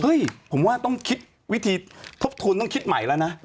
ผมว่าต้องคิดวิธีทบทวนต้องคิดใหม่แล้วนะ